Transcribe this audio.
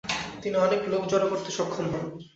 তিনি অনেক লোক জড়ো করতে সক্ষম হন।